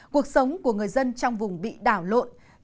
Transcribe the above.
cuộc sống của người dân trong vùng bị đảo lộn trật tự xã hội bị ảnh hưởng